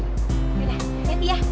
yaudah happy ya